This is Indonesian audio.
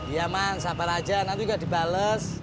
iya man sabar aja nanti enggak dibales